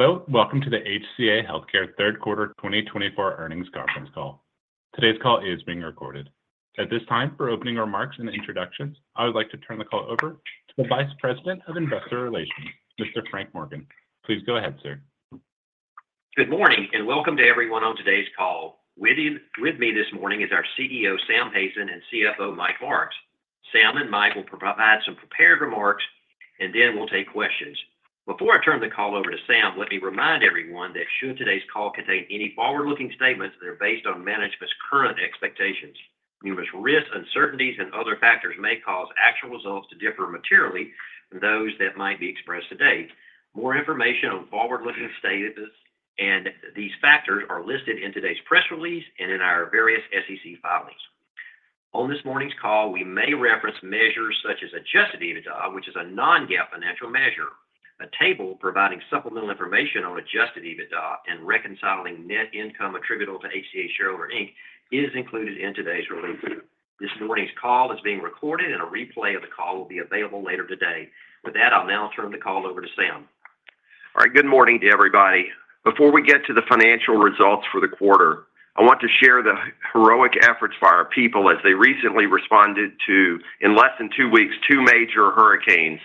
Hello, welcome to the HCA Healthcare Q3 2024 Earnings Conference Call. Today's call is being recorded. At this time, for opening remarks and introductions, I would like to turn the call over to the Vice President of Investor Relations, Mr. Frank Morgan. Please go ahead, sir. Good morning, and welcome to everyone on today's call. With you, with me this morning is our CEO, Sam Hazen, and CFO, Mike Marks. Sam and Mike will provide some prepared remarks, and then we'll take questions. Before I turn the call over to Sam, let me remind everyone that should today's call contain any forward-looking statements that are based on management's current expectations. Numerous risks, uncertainties and other factors may cause actual results to differ materially from those that might be expressed today. More information on forward-looking statements and these factors are listed in today's press release and in our various SEC filings. On this morning's call, we may reference measures such as Adjusted EBITDA, which is a non-GAAP financial measure. A table providing supplemental information on Adjusted EBITDA and reconciling net income attributable to HCA Healthcare, Inc. is included in today's release. This morning's call is being recorded, and a replay of the call will be available later today. With that, I'll now turn the call over to Sam. All right. Good morning to everybody. Before we get to the financial results for the quarter, I want to share the heroic efforts by our people as they recently responded to, in less than two weeks, two major hurricanes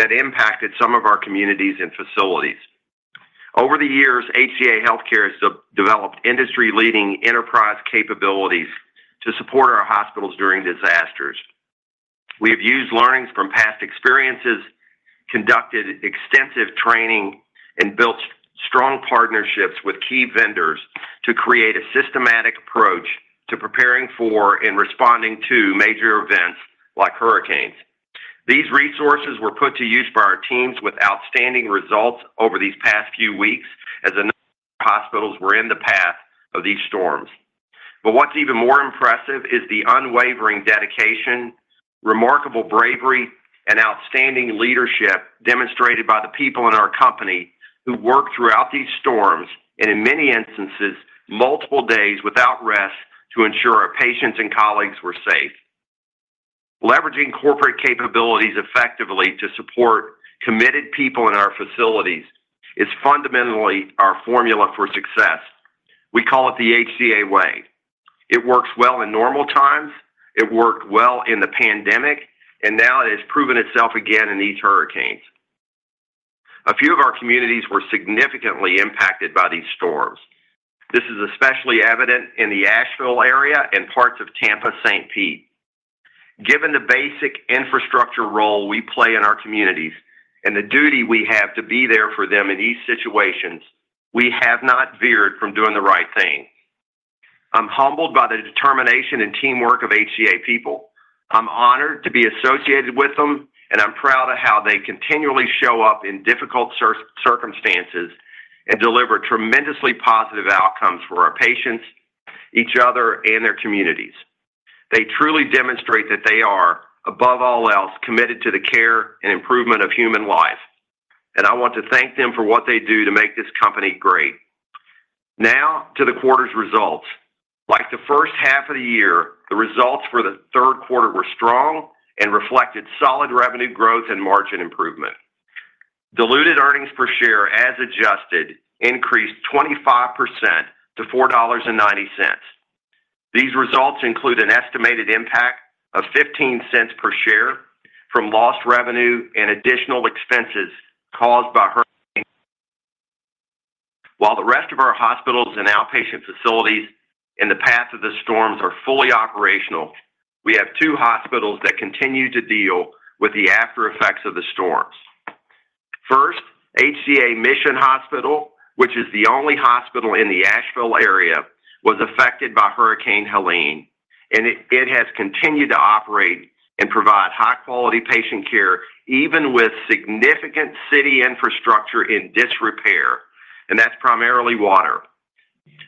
that impacted some of our communities and facilities. Over the years, HCA Healthcare has developed industry-leading enterprise capabilities to support our hospitals during disasters. We have used learnings from past experiences, conducted extensive training, and built strong partnerships with key vendors to create a systematic approach to preparing for and responding to major events like hurricanes. These resources were put to use by our teams with outstanding results over these past few weeks as the hospitals were in the path of these storms. But what's even more impressive is the unwavering dedication, remarkable bravery, and outstanding leadership demonstrated by the people in our company who worked throughout these storms, and in many instances, multiple days without rest to ensure our patients and colleagues were safe. Leveraging corporate capabilities effectively to support committed people in our facilities is fundamentally our formula for success. We call it the HCA Way. It works well in normal times, it worked well in the pandemic, and now it has proven itself again in these hurricanes. A few of our communities were significantly impacted by these storms. This is especially evident in the Asheville area and parts of Tampa, St. Pete. Given the basic infrastructure role we play in our communities and the duty we have to be there for them in these situations, we have not veered from doing the right thing. I'm humbled by the determination and teamwork of HCA people. I'm honored to be associated with them, and I'm proud of how they continually show up in difficult circumstances and deliver tremendously positive outcomes for our patients, each other, and their communities. They truly demonstrate that they are, above all else, committed to the care and improvement of human life, and I want to thank them for what they do to make this company great. Now, to the quarter's results. Like the H1 of the year, the results for the Q3 were strong and reflected solid revenue growth and margin improvement. Diluted earnings per share, as adjusted, increased 25% to $4.90. These results include an estimated impact of $0.15 per share from lost revenue and additional expenses caused by hurricanes. While the rest of our hospitals and outpatient facilities in the path of the storms are fully operational, we have two hospitals that continue to deal with the aftereffects of the storms. First, HCA Mission Hospital, which is the only hospital in the Asheville area, was affected by Hurricane Helene, and it has continued to operate and provide high-quality patient care, even with significant city infrastructure in disrepair, and that's primarily water.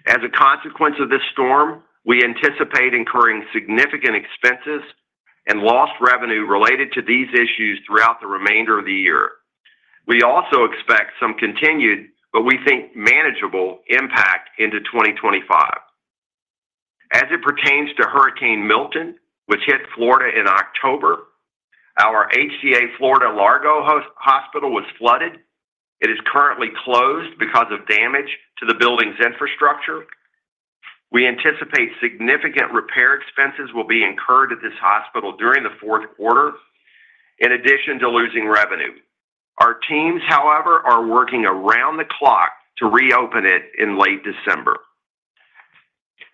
As a consequence of this storm, we anticipate incurring significant expenses and lost revenue related to these issues throughout the remainder of the year. We also expect some continued, but we think manageable, impact into 2025. As it pertains to Hurricane Milton, which hit Florida in October, our HCA Florida Largo Hospital was flooded. It is currently closed because of damage to the building's infrastructure. We anticipate significant repair expenses will be incurred at this hospital during the Q4, in addition to losing revenue. Our teams, however, are working around the clock to reopen it in late December.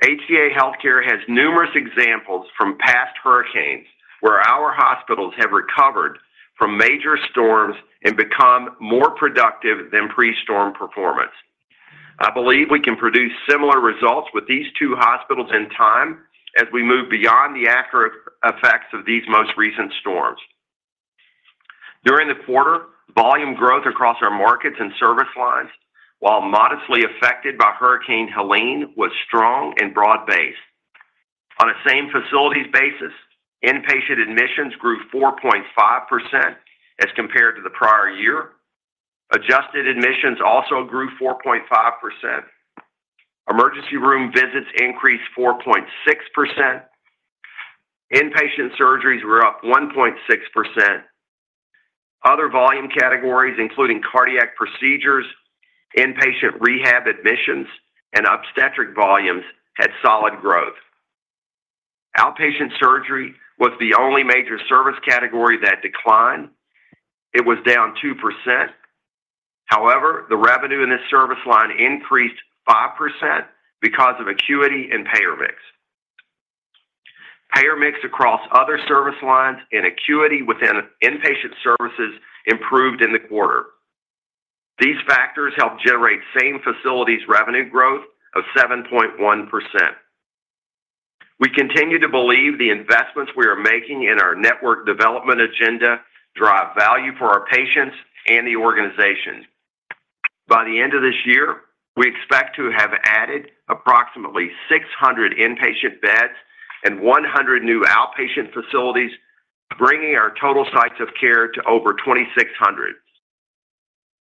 HCA Healthcare has numerous examples from past hurricanes where our hospitals have recovered from major storms and become more productive than pre-storm performance. I believe we can produce similar results with these two hospitals in time as we move beyond the acute effects of these most recent storms. During the quarter, volume growth across our markets and service lines, while modestly affected by Hurricane Helene, was strong and broad-based. On a same facilities basis, inpatient admissions grew 4.5% as compared to the prior year. Adjusted admissions also grew 4.5%. Emergency room visits increased 4.6%. Inpatient surgeries were up 1.6%. Other volume categories, including cardiac procedures, inpatient rehab admissions, and obstetric volumes, had solid growth. Outpatient surgery was the only major service category that declined. It was down 2%. However, the revenue in this service line increased 5% because of acuity and payer mix. Payer mix across other service lines and acuity within inpatient services improved in the quarter. These factors helped generate same facilities revenue growth of 7.1%. We continue to believe the investments we are making in our network development agenda drive value for our patients and the organization. By the end of this year, we expect to have added approximately 600 inpatient beds and 100 new outpatient facilities, bringing our total sites of care to over 2,600.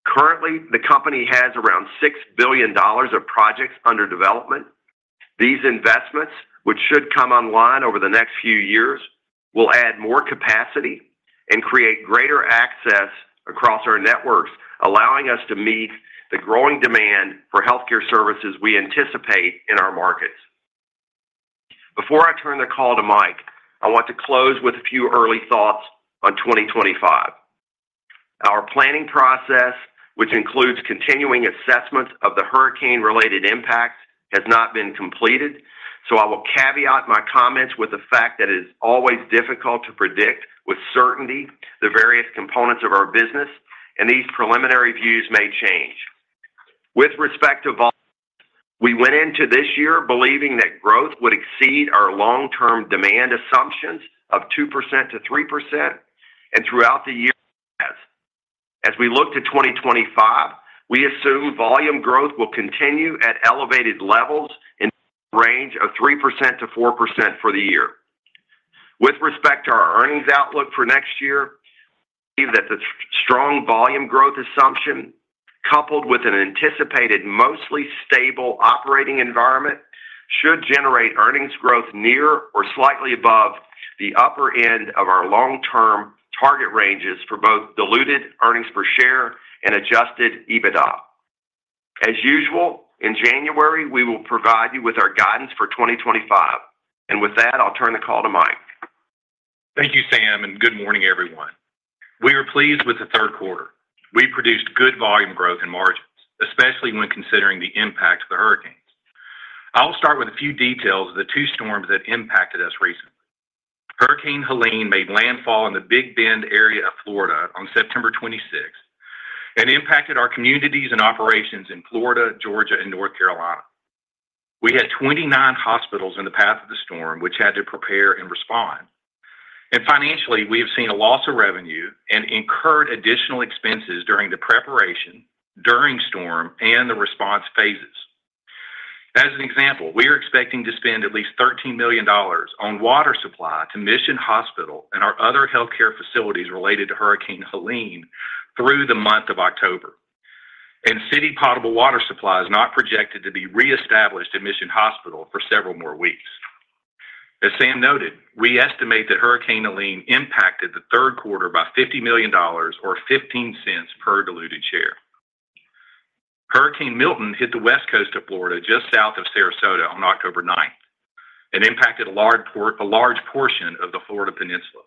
Currently, the company has around $6 billion of projects under development. These investments, which should come online over the next few years, will add more capacity and create greater access across our networks, allowing us to meet the growing demand for healthcare services we anticipate in our markets. Before I turn the call to Mike, I want to close with a few early thoughts on twenty twenty-five. Our planning process, which includes continuing assessments of the hurricane-related impact, has not been completed, so I will caveat my comments with the fact that it is always difficult to predict with certainty the various components of our business, and these preliminary views may change. With respect to volume, we went into this year believing that growth would exceed our long-term demand assumptions of 2% to 3%, and throughout the year, it has. As we look to 2025, we assume volume growth will continue at elevated levels in the range of 3%-4% for the year. With respect to our earnings outlook for next year, we believe that the strong volume growth assumption, coupled with an anticipated, mostly stable operating environment, should generate earnings growth near or slightly above the upper end of our long-term target ranges for both diluted earnings per share and Adjusted EBITDA. As usual, in January, we will provide you with our guidance for 2025. And with that, I'll turn the call to Mike. Thank you, Sam, and good morning, everyone. We are pleased with the Q3. We produced good volume growth and margins, especially when considering the impact of the hurricanes. I will start with a few details of the two storms that impacted us recently. Hurricane Helene made landfall in the Big Bend area of Florida on September twenty-sixth and impacted our communities and operations in Florida, Georgia, and North Carolina. We had 29 hospitals in the path of the storm, which had to prepare and respond, and financially, we have seen a loss of revenue and incurred additional expenses during the preparation, during storm, and the response phases. As an example, we are expecting to spend at least $13 million on water supply to Mission Hospital and our other healthcare facilities related to Hurricane Helene through the month of October. City potable water supply is not projected to be reestablished at Mission Hospital for several more weeks. As Sam noted, we estimate that Hurricane Helene impacted the Q3 by $50 million or $0.15 per diluted share. Hurricane Milton hit the west coast of Florida, just south of Sarasota, on October ninth, and impacted a large portion of the Florida Peninsula.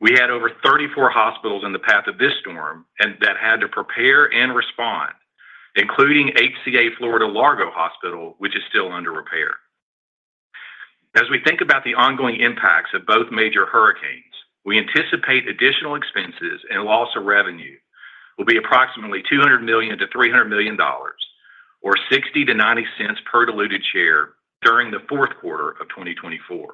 We had over 34 hospitals in the path of this storm, and that had to prepare and respond, including HCA Florida Largo Hospital, which is still under repair. As we think about the ongoing impacts of both major hurricanes, we anticipate additional expenses and loss of revenue will be approximately $200 million-$300 million or $0.60-$0.90 per diluted share during the Q4 of 2024.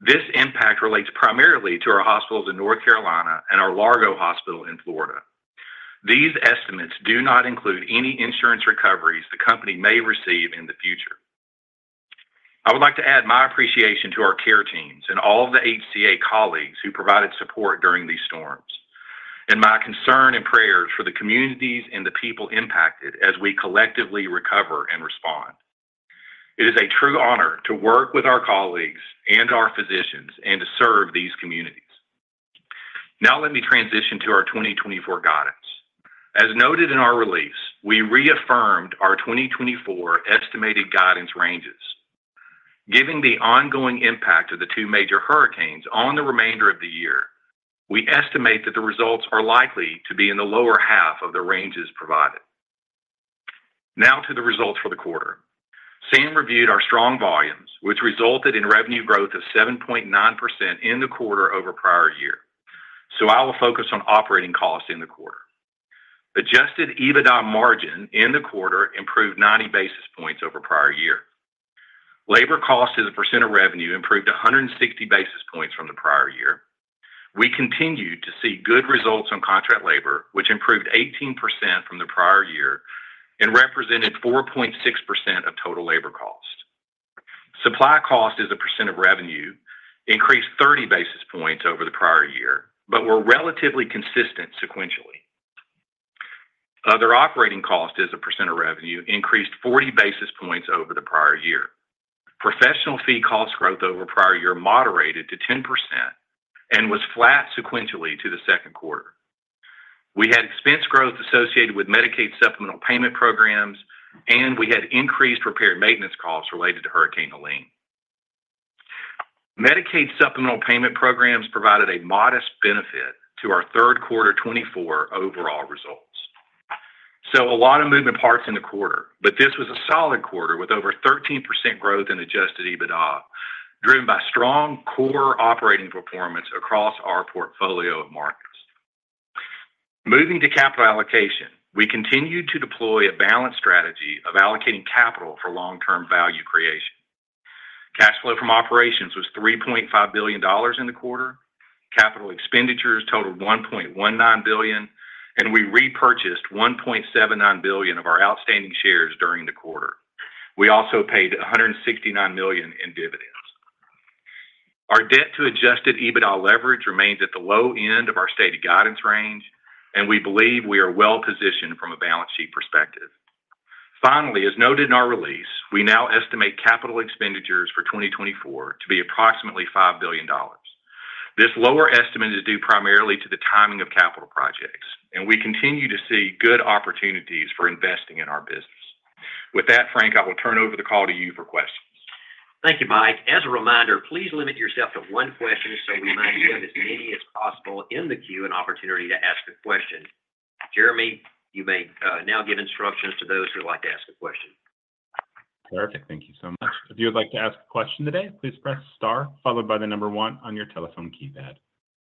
This impact relates primarily to our hospitals in North Carolina and our Largo Hospital in Florida. These estimates do not include any insurance recoveries the company may receive in the future. I would like to add my appreciation to our care teams and all of the HCA colleagues who provided support during these storms, and my concern and prayers for the communities and the people impacted as we collectively recover and respond. It is a true honor to work with our colleagues and our physicians, and to serve these communities. Now, let me transition to our 2024 guidance. As noted in our release, we reaffirmed our 2024 estimated guidance ranges. Given the ongoing impact of the two major hurricanes on the remainder of the year, we estimate that the results are likely to be in the lower half of the ranges provided. Now to the results for the quarter. Sam reviewed our strong volumes, which resulted in revenue growth of 7.9% in the quarter over prior year. So I will focus on operating costs in the quarter. Adjusted EBITDA margin in the quarter improved 90 basis points over prior year. Labor cost as a percent of revenue improved 160 basis points from the prior year. We continued to see good results on contract labor, which improved 18% from the prior year and represented 4.6% of total labor cost. Supply cost as a percent of revenue increased 30 basis points over the prior year, but were relatively consistent sequentially. Other operating cost as a percent of revenue increased 40 basis points over the prior year. Professional fee cost growth over prior year moderated to 10% and was flat sequentially to the Q2. We had expense growth associated with Medicaid supplemental payment programs, and we had increased repair and maintenance costs related to Hurricane Helene. Medicaid supplemental payment programs provided a modest benefit to our Q3 twenty-four overall results. So a lot of moving parts in the quarter, but this was a solid quarter, with over 13% growth in Adjusted EBITDA, driven by strong core operating performance across our portfolio of markets. Moving to capital allocation, we continued to deploy a balanced strategy of allocating capital for long-term value creation. Cash flow from operations was $3.5 billion in the quarter. Capital expenditures totaled $1.19 billion, and we repurchased $1.79 billion of our outstanding shares during the quarter. We also paid $169 million in dividends. Our debt to Adjusted EBITDA leverage remains at the low end of our stated guidance range, and we believe we are well positioned from a balance sheet perspective. Finally, as noted in our release, we now estimate capital expenditures for 2024 to be approximately $5 billion. This lower estimate is due primarily to the timing of capital projects, and we continue to see good opportunities for investing in our business. With that, Frank, I will turn over the call to you for questions. Thank you, Mike. As a reminder, please limit yourself to one question so we might give as many as possible in the queue an opportunity to ask a question. Jeremy, you may now give instructions to those who would like to ask a question. Perfect. Thank you so much. If you would like to ask a question today, please press star followed by the number one on your telephone keypad.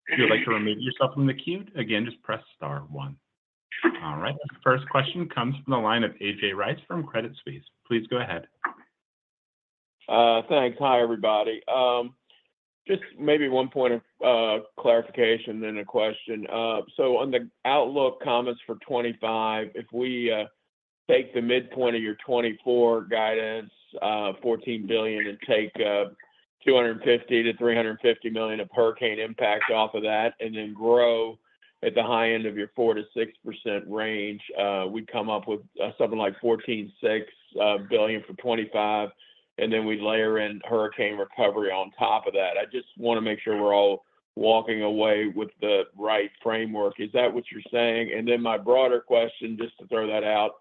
If you would like to remove yourself from the queue, again, just press star one. All right, the first question comes from the line of A.J. Rice from Credit Suisse. Please go ahead. Thanks. Hi, everybody. Just maybe one point of clarification, then a question. So on the outlook comments for 2025, if we take the midpoint of your 2024 guidance, $14 billion, and take $250-$350 million of hurricane impact off of that, and then grow at the high end of your 4%-6% range, we'd come up with something like $14.6 billion for 2025, and then we'd layer in hurricane recovery on top of that. I just wanna make sure we're all walking away with the right framework. Is that what you're saying? And then my broader question, just to throw that out,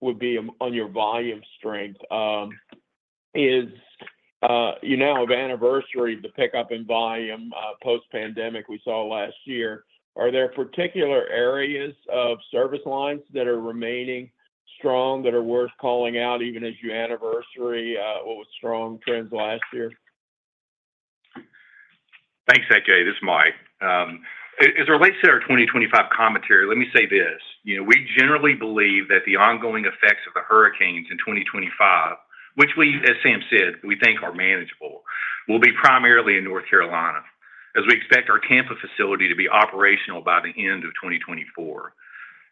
would be on your volume strength. You now have anniversary the pickup in volume post-pandemic we saw last year, are there particular areas of service lines that are remaining strong that are worth calling out, even as you anniversary what was strong trends last year? Thanks, A.J. This is Mike. As relates to our twenty twenty-five commentary, let me say this: You know, we generally believe that the ongoing effects of the hurricanes in twenty twenty-five, which, as Sam said, we think are manageable, will be primarily in North Carolina, as we expect our campus facility to be operational by the end of twenty twenty-four.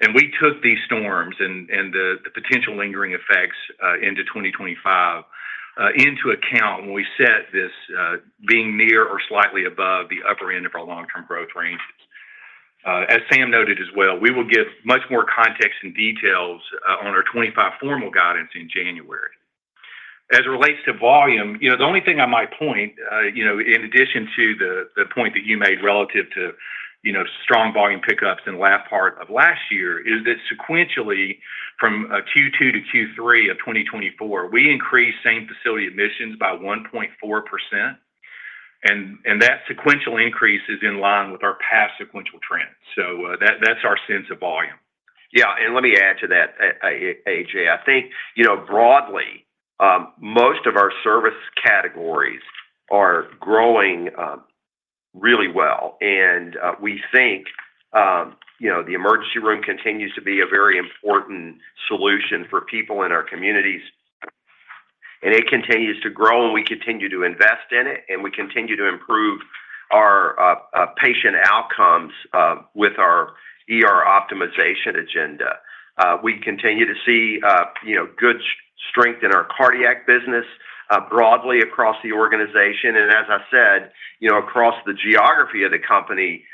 And we took these storms and the potential lingering effects into twenty twenty-five into account when we set this being near or slightly above the upper end of our long-term growth ranges. As Sam noted as well, we will give much more context and details on our twenty-five formal guidance in January. As it relates to volume, you know, the only thing I might point, you know, in addition to the point that you made relative to, you know, strong volume pickups in the last part of last year, is that sequentially, from Q2 to Q3 of 2024, we increased same facility admissions by 1.4%, and that sequential increase is in line with our past sequential trends. So, that, that's our sense of volume. And let me add to that, A.J., broadly, most of our service categories are growing, really well, and, we think, you know, the emergency room continues to be a very important solution for people in our communities, and it continues to grow, and we continue to invest in it, and we continue to improve our, patient outcomes, with our ER optimization agenda. We continue to see, you know, good strength in our cardiac business, broadly across the organization. And as I said, you know, across the geography of the company,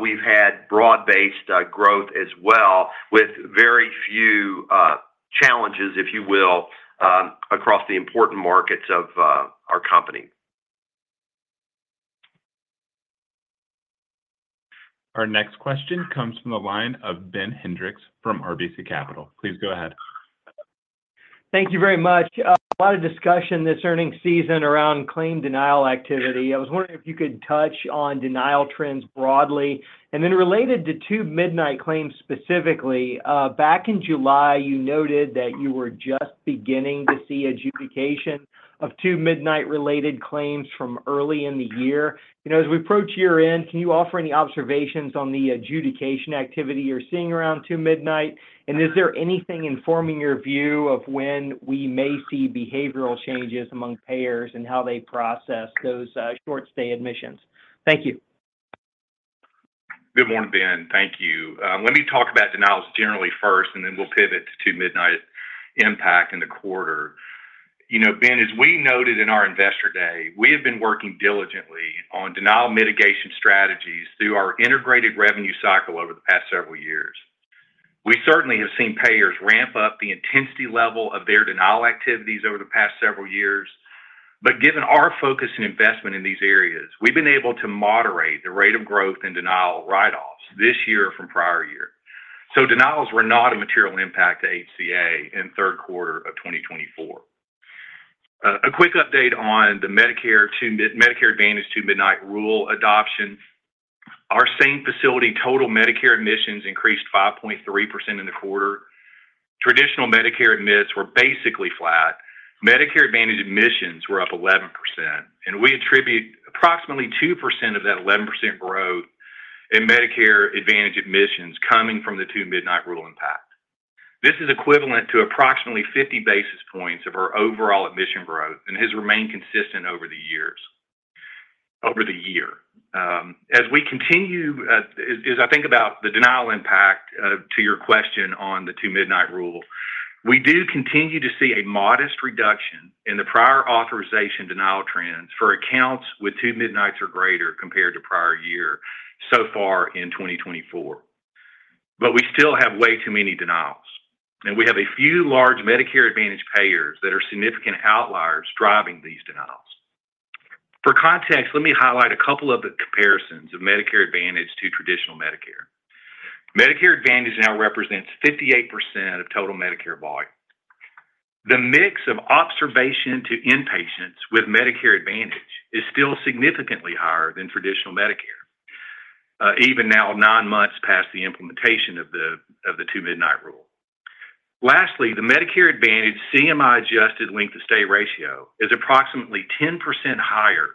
we've had broad-based, growth as well, with very few, challenges, if you will, across the important markets of, our company. Our next question comes from the line of Ben Hendrix from RBC Capital. Please go ahead. Thank you very much. A lot of discussion this earnings season around claim denial activity. I was wondering if you could touch on denial trends broadly, and then related to two midnight claims specifically. Back in July, you noted that you were just beginning to see adjudication of Two-Midnight-related claims from early in the year. You know, as we approach year-end, can you offer any observations on the adjudication activity you're seeing around two midnight? And is there anything informing your view of when we may see behavioral changes among payers and how they process those, short-stay admissions? Thank you. Good morning, Ben. Thank you. Let me talk about denials generally first, and then we'll pivot to midnight impact in the quarter. You know, Ben, as we noted in our Investor Day, we have been working diligently on denial mitigation strategies through our integrated revenue cycle over the past several years. We certainly have seen payers ramp up the intensity level of their denial activities over the past several years, but given our focus and investment in these areas, we've been able to moderate the rate of growth in denial write-offs this year from prior year. So denials were not a material impact to HCA in Q3 of twenty twenty-four. A quick update on the Medicare Advantage to Midnight Rule adoption. Our same facility, total Medicare admissions increased 5.3% in the quarter. Traditional Medicare admits were basically flat. Medicare Advantage admissions were up 11%, and we attribute approximately 2% of that 11% growth in Medicare Advantage admissions coming from the Two-Midnight Rule impact. This is equivalent to approximately fifty basis points of our overall admission growth and has remained consistent over the years, over the year. As we continue, as about the denial impact, to your question on the Two-Midnight Rule, we do continue to see a modest reduction in the prior authorization denial trends for accounts with two midnights or greater compared to prior year so far in 2024. But we still have way too many denials, and we have a few large Medicare Advantage payers that are significant outliers driving these denials. For context, let me highlight a couple of the comparisons of Medicare Advantage to Traditional Medicare. Medicare Advantage now represents 58% of total Medicare volume. The mix of observation to inpatients with Medicare Advantage is still significantly higher than Traditional Medicare, even now, nine months past the implementation of the two-midnight rule. Lastly, the Medicare Advantage CMI Adjusted Length of Stay ratio is approximately 10% higher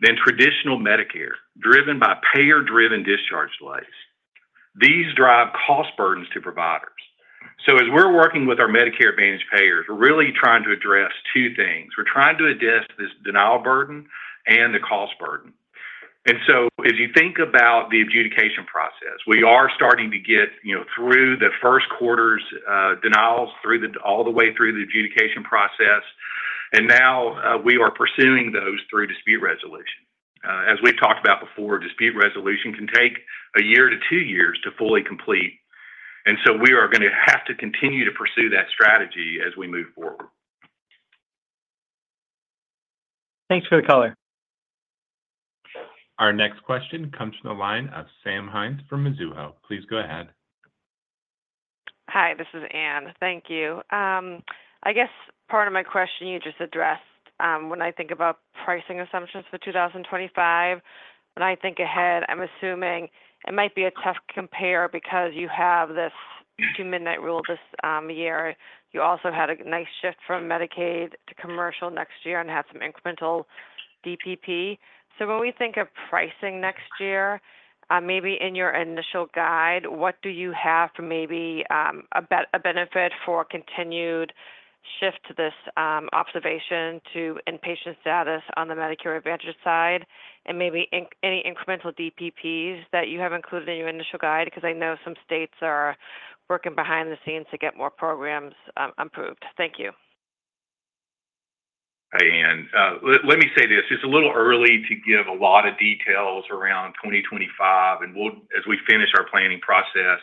than Traditional Medicare, driven by payer-driven discharge delays. These drive cost burdens to providers. So as we're working with our Medicare Advantage payers, we're really trying to address two things: we're trying to address this denial burden and the cost burden. And so as you think about the adjudication process, we are starting to get, you know, through the Q1's denials, through all the way through the adjudication process, and now, we are pursuing those through dispute resolution. As we've talked about before, dispute resolution can take a year to two years to fully complete, and so we are gonna have to continue to pursue that strategy as we move forward. Thanks for the color. Our next question comes from the line of Ann Hynes from Mizuho. Please go ahead. Hi, this is Ann. Thank you. Part of my question you just addressed, when about pricing assumptions for 2025, when ahead, I'm assuming it might be a tough compare because you have this two-midnight rule this year. You also had a nice shift from Medicaid to commercial next year and had some incremental DPP. So when we think of pricing next year, maybe in your initial guide, what do you have for maybe a benefit for continued shift to this observation to inpatient status on the Medicare Advantage side, and maybe any incremental DPPs that you have included in your initial guide? Because I know some states are working behind the scenes to get more programs approved. Thank you. Hi, Ann. Let me say this, it's a little early to give a lot of details around 2025, and we'll as we finish our planning process,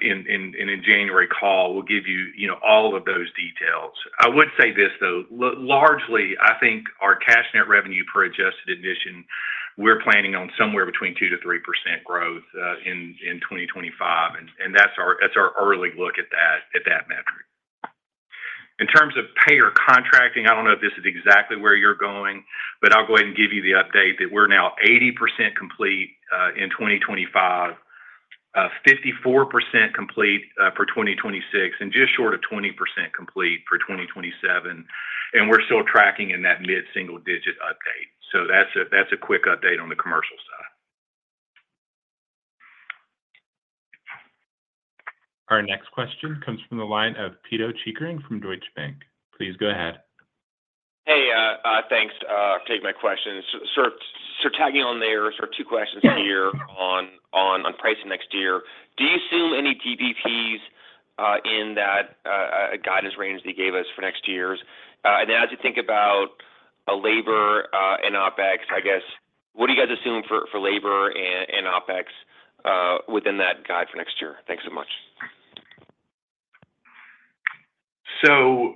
in January call, we'll give you, you know, all of those details. I would say this, though: largely, our cash net revenue per adjusted admission, we're planning on somewhere between 2%-3% growth, in 2025, and that's our early look at that metric. In terms of payer contracting, I don't know if this is exactly where you're going, but I'll go ahead and give you the update that we're now 80% complete, in 2025, 54% complete, for 2026, and just short of 20% complete for 2027, and we're still tracking in that mid-single digit update. So that's a quick update on the commercial side. Our next question comes from the line of Pito Chickering from Deutsche Bank. Please go ahead. Hey, thanks for taking my question. Tagging on there, two questions here on pricing next year. Do you assume any DPPs in that guidance range that you gave us for next year? As you think about labor and OpEx, What are you guys assuming for labor and OpEx within that guide for next year? Thanks so much.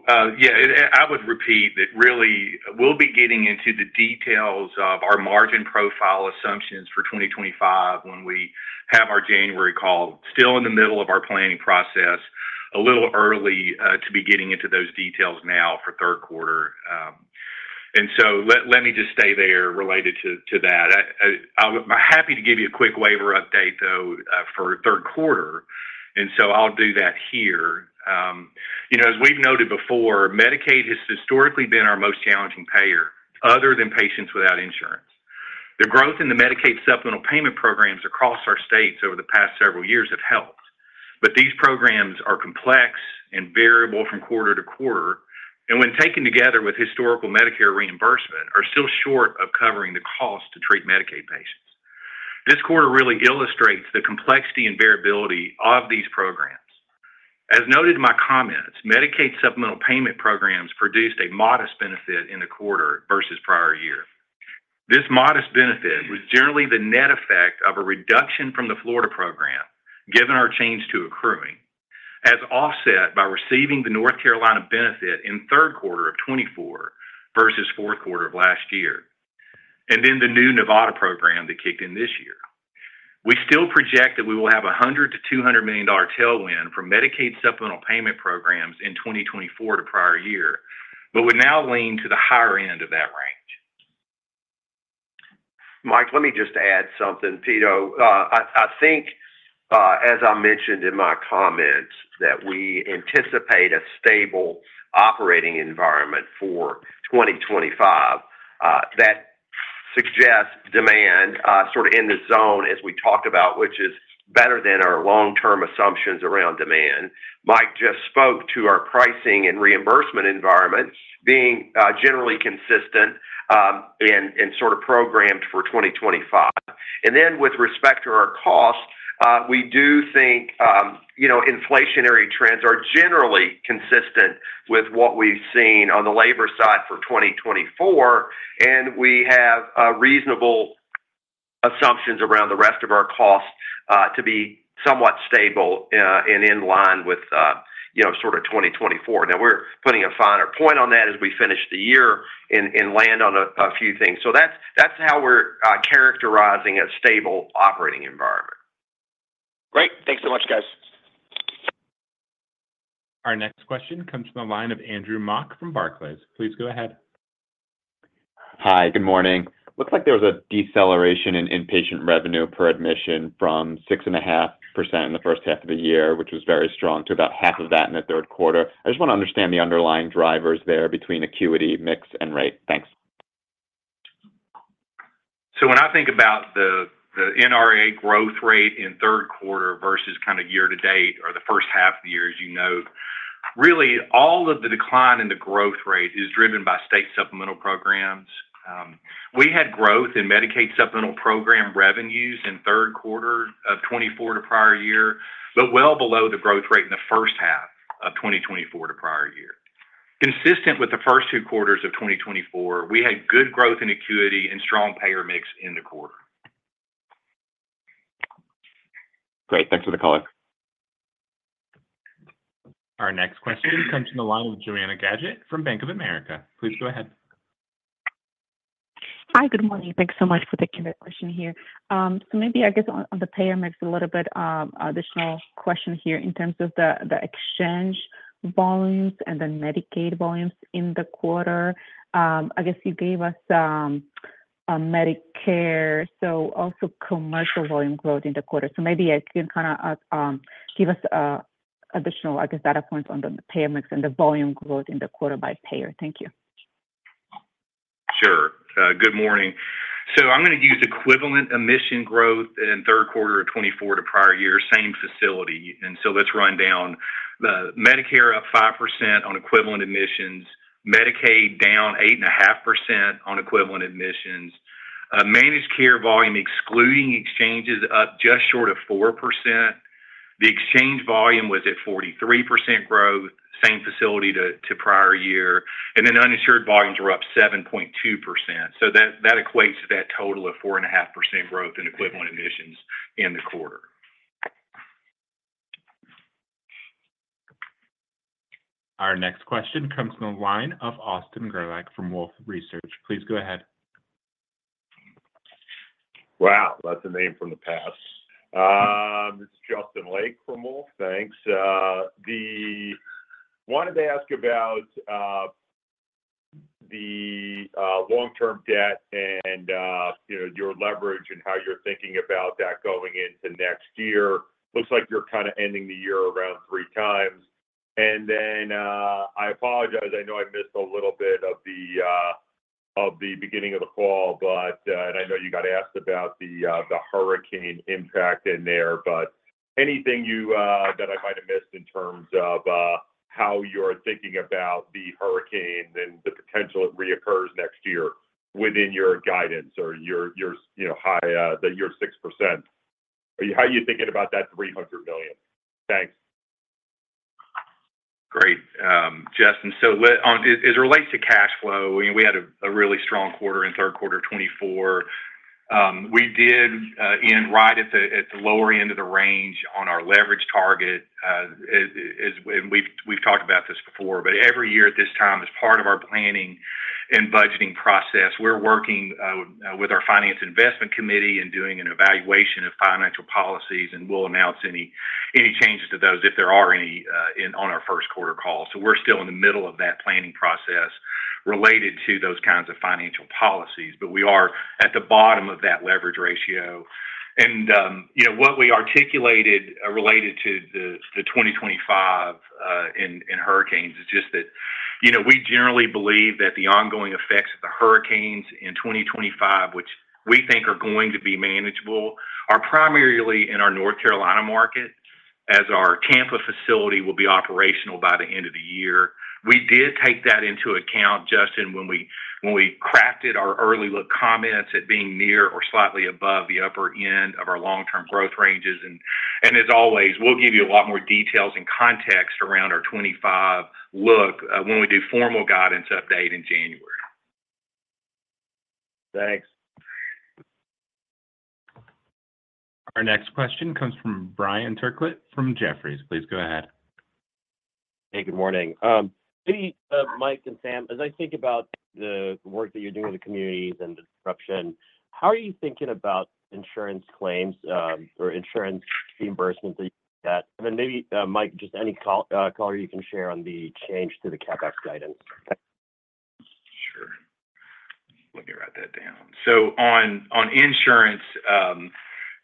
I would repeat that really we'll be getting into the details of our margin profile assumptions for 2025 when we have our January call. Still in the middle of our planning process, a little early to be getting into those details now for Q3, and so let me just stay there related to that. I'm happy to give you a quick labor update, though, for Q3, and so I'll do that here. You know, as we've noted before, Medicaid has historically been our most challenging payer, other than patients without insurance. The growth in the Medicaid Supplemental Payment programs across our states over the past several years have helped, but these programs are complex and variable from quarter to quarter, and when taken together with historical Medicare reimbursement, are still short of covering the cost to treat Medicaid patients. This quarter really illustrates the complexity and variability of these programs. As noted in my comments, Medicaid supplemental payment programs produced a modest benefit in the quarter versus prior year. This modest benefit was generally the net effect of a reduction from the Florida program, given our change to accruing, as offset by receiving the North Carolina benefit in Q3 of 2024 versus Q4 of last year, and then the new Nevada program that kicked in this year. We still project that we will have a $100 million-$200 million tailwind from Medicaid supplemental payment programs in 2024 to prior year, but would now lean to the higher end of that range. Mike, let me just add something. Pito, as I mentioned in my comments, that we anticipate a stable operating environment for 2025, that suggests demand, in the zone as we talked about, which is better than our long-term assumptions around demand. Mike just spoke to our pricing and reimbursement environment being generally consistent and programmed for 2025. And then with respect to our costs, we do think, you know, inflationary trends are generally consistent with what we've seen on the labor side for 2024, and we have reasonable assumptions around the rest of our costs to be somewhat stable and in line with you know, 2024. Now, we're putting a finer point on that as we finish the year and land on a few things, so that's how we're characterizing a stable operating environment. Great! Thanks so much, guys. Our next question comes from the line of Andrew Mok from Barclays. Please go ahead. Hi, good morning. Looks like there was a deceleration in inpatient revenue per admission from 6.5% in the H1 of the year, which was very strong, to about half of that in the Q3. I just want to understand the underlying drivers there between acuity, mix, and rate. Thanks. So when about the NRA growth rate in Q3 versus year to date or the H1 of the year, as you note, really all of the decline in the growth rate is driven by state supplemental programs. We had growth in Medicaid supplemental program revenues in Q3 of twenty-four to prior year, but well below the growth rate in the H1 of twenty twenty-four to prior year. Consistent with the first two quarters of twenty twenty-four, we had good growth in acuity and strong payer mix in the quarter. Great, thanks for the color. Our next question comes from the line of Joanna Gajuk from Bank of America. Please go ahead. Hi, good morning. Thanks so much for taking my question here. So maybe on the payer mix, a little bit, additional question here in terms of the exchange volumes and the Medicaid volumes in the quarter. You gave us Medicare, so also commercial volume growth in the quarter. So maybe I can kinda give us additional, data points on the payer mix and the volume growth in the quarter by payer. Thank you. Sure. Good morning. So I'm gonna use equivalent admission growth in Q3 of twenty-four to prior year, same facility, and so let's run down. The Medicare up 5% on equivalent admissions. Medicaid down 8.5% on equivalent admissions. Managed care volume, excluding exchanges, up just short of 4%. The exchange volume was at 43% growth, same facility to, to prior year, and then uninsured volumes were up 7.2%. So that, that equates to that total of 4.5% growth in equivalent admissions in the quarter. Our next question comes from the line of Austin Gerlach from Wolfe Research. Please go ahead. Wow! That's a name from the past. This is Justin Lake from Wolfe. Thanks. Wanted to ask about the long-term debt and, you know, your leverage and how you're thinking about that going into next year. Looks like you're kinda ending the year around three times. And then, I apologize, I know I missed a little bit of the beginning of the call, but, and I know you got asked about the hurricane impact in there, but anything that I might have missed in terms of how you're thinking about the hurricane and the potential it reoccurs next year within your guidance or your, you know, high, the year 6%? How are you thinking about that $300 million? Thanks. Great. Justin, so as it relates to cash flow, we had a really strong quarter in Q3 of twenty-four. We did end right at the lower end of the range on our leverage target. And we've talked about this before, but every year at this time, as part of our planning and budgeting process, we're working with our finance investment committee and doing an evaluation of financial policies, and we'll announce any changes to those if there are any in our Q1 call. So we're still in the middle of that planning process related to those kinds of financial policies, but we are at the bottom of that leverage ratio. You know, what we articulated related to the twenty twenty-five in hurricanes is just that, you know, we generally believe that the ongoing effects of the hurricanes in twenty twenty-five, which we think are going to be manageable, are primarily in our North Carolina market.... as our Tampa facility will be operational by the end of the year. We did take that into account, Justin, when we crafted our early look comments at being near or slightly above the upper end of our long-term growth ranges. And as always, we'll give you a lot more details and context around our 2025 look when we do formal guidance update in January. Thanks. Our next question comes from Brian Tanquilut from Jefferies. Please go ahead. Hey, good morning. Maybe Mike and Sam, as about the work that you're doing in the communities and the disruption, how are you thinking about insurance claims, or insurance reimbursements that you've got? And then maybe Mike, just any color you can share on the change to the CapEx guidance. Sure. Let me write that down. So on insurance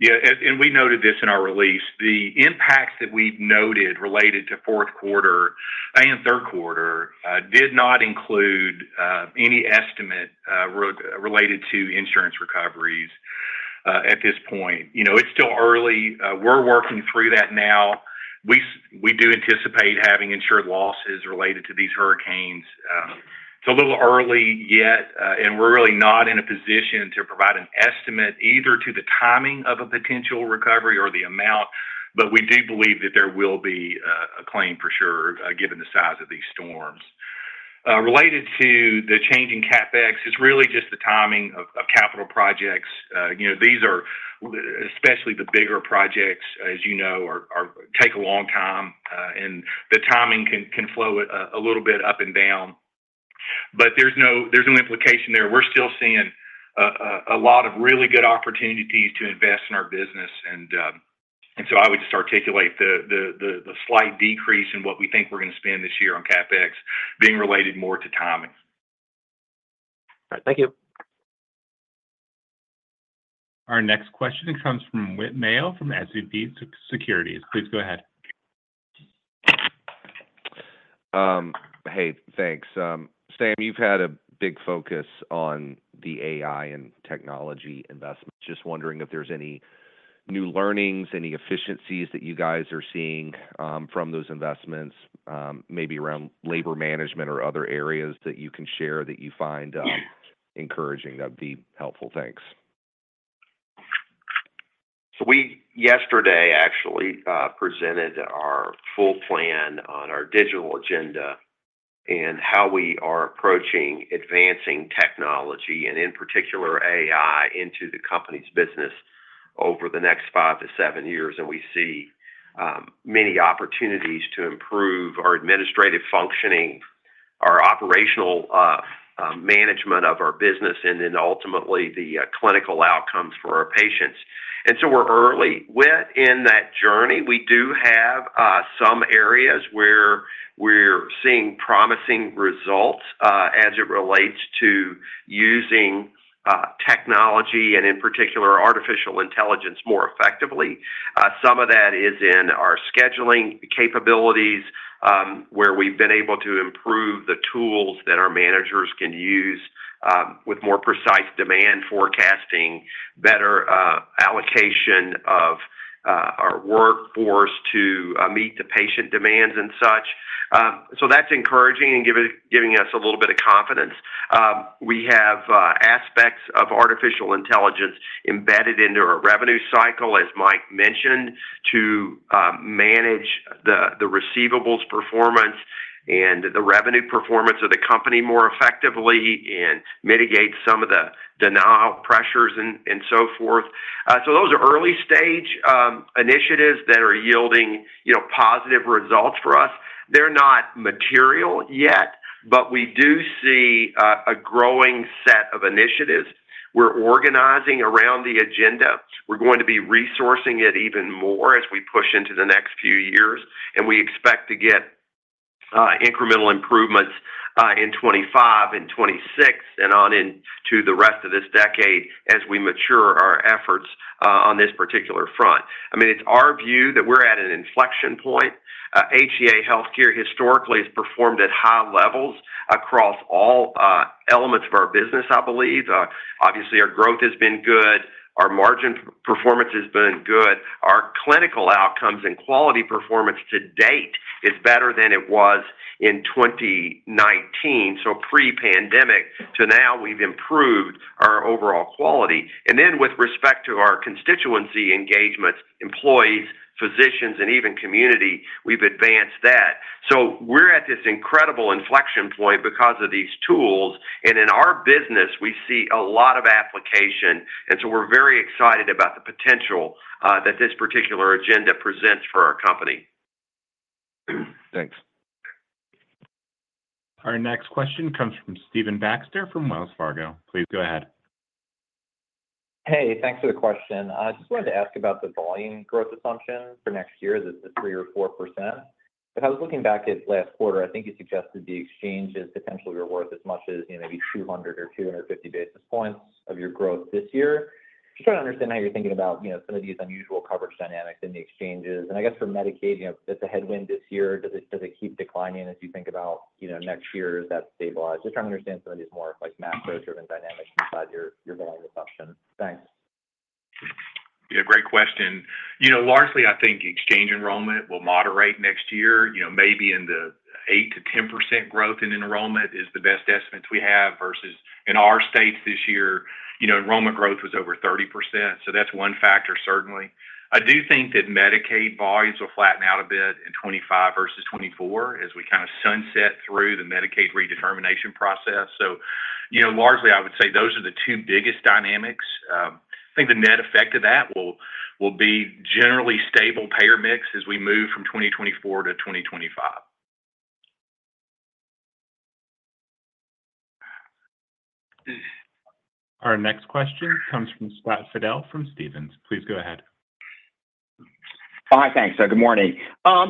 and we noted this in our release, the impacts that we've noted related to Q4 and Q3 did not include any estimate related to insurance recoveries at this point. You know, it's still early. We're working through that now. We do anticipate having insured losses related to these hurricanes. It's a little early yet, and we're really not in a position to provide an estimate, either to the timing of a potential recovery or the amount, but we do believe that there will be a claim for sure, given the size of these storms. Related to the change in CapEx, it's really just the timing of capital projects. You know, these are, especially the bigger projects, as you know, take a long time, and the timing can flow a little bit up and down. But there's no implication there. We're still seeing a lot of really good opportunities to invest in our business, and so I would just articulate the slight decrease in what we think we're gonna spend this year on CapEx being related more to timing. All right. Thank you. Our next question comes from Whit Mayo, from SVB Securities. Please go ahead. Hey, thanks. Sam, you've had a big focus on the AI and technology investment. Just wondering if there's any new learnings, any efficiencies that you guys are seeing from those investments, maybe around labor management or other areas that you can share that you find encouraging. That'd be helpful. Thanks. So we yesterday actually presented our full plan on our digital agenda and how we are approaching advancing technology, and in particular, AI, into the company's business over the next five to seven years, and we see many opportunities to improve our administrative functioning, our operational management of our business, and then ultimately the clinical outcomes for our patients. And so we're early in that journey. We do have some areas where we're seeing promising results as it relates to using technology, and in particular, artificial intelligence, more effectively. Some of that is in our scheduling capabilities where we've been able to improve the tools that our managers can use with more precise demand forecasting, better allocation of our workforce to meet the patient demands and such. So that's encouraging and giving us a little bit of confidence. We have aspects of artificial intelligence embedded into our revenue cycle, as Mike mentioned, to manage the receivables performance and the revenue performance of the company more effectively and mitigate some of the denial pressures and so forth. So those are early stage initiatives that are yielding, you know, positive results for us. They're not material yet, but we do see a growing set of initiatives. We're organizing around the agenda. We're going to be resourcing it even more as we push into the next few years, and we expect to get incremental improvements in twenty-five and twenty-six and on into the rest of this decade as we mature our efforts on this particular front. It's our view that we're at an inflection point. HCA Healthcare historically has performed at high levels across all elements of our business, I believe. Obviously, our growth has been good, our margin performance has been good, our clinical outcomes and quality performance to date is better than it was in 2019, so pre-pandemic to now, we've improved our overall quality, and then with respect to our constituency engagements, employees, physicians, and even community, we've advanced that, so we're at this incredible inflection point because of these tools, and in our business, we see a lot of application, and so we're very excited about the potential that this particular agenda presents for our company. Thanks. Our next question comes from Stephen Baxter from Wells Fargo. Please go ahead. Hey, thanks for the question. I just wanted to ask about the volume growth assumption for next year. Is it the 3% or 4%? If I was looking back at last quarter, you suggested the exchanges potentially were worth as much as, you know, maybe 200 or 250 basis points of your growth this year. Just trying to understand how you're thinking about, you know, some of these unusual coverage dynamics in the exchanges. And for Medicaid, you know, if it's a headwind this year, does it, does it keep declining as you think about, you know, next year? Is that stabilized? Just trying to understand some of these more, like, macro-driven dynamics inside your, your volume assumption. Thanks. Great question. You know, largely, exchange enrollment will moderate next year, you know, maybe in the 8-10% growth in enrollment is the best estimates we have, versus in our states this year, you know, enrollment growth was over 30%. So that's one factor, certainly. I do think that Medicaid volumes will flatten out a bit in 2025 versus 2024 as we kinda sunset through the Medicaid redetermination process. So, you know, largely, I would say those are the two biggest dynamics. The net effect of that will be generally stable payer mix as we move from 2024 to 2025. Our next question comes from Scott Fidel from Stephens. Please go ahead. Hi, thanks. Good morning.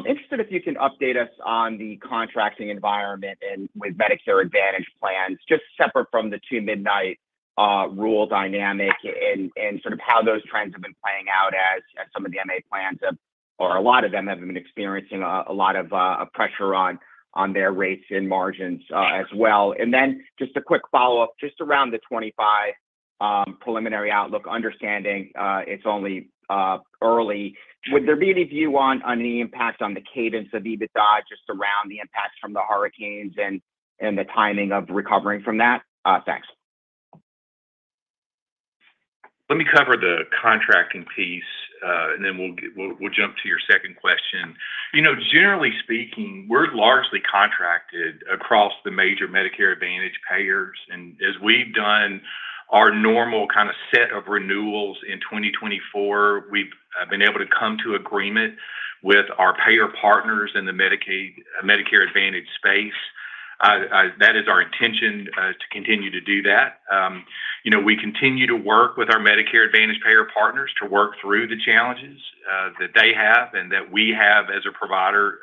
Interested if you can update us on the contracting environment and with Medicare Advantage plans, just separate from the two-midnight rule dynamic and how those trends have been playing out as some of the MA plans have, or a lot of them have been experiencing a lot of pressure on their rates and margins, as well. And then just a quick follow-up, just around the twenty-five preliminary outlook, understanding it's only early. Would there be any view on any impact on the cadence of EBITDA, just around the impacts from the hurricanes and the timing of recovering from that? Thanks. Let me cover the contracting piece, and then we'll jump to your second question. You know, generally speaking, we're largely contracted across the major Medicare Advantage payers, and as we've done our normal kinda set of renewals in twenty twenty-four, we've been able to come to agreement with our payer partners in the Medicare Advantage space. That is our intention to continue to do that. You know, we continue to work with our Medicare Advantage payer partners to work through the challenges that they have and that we have as a provider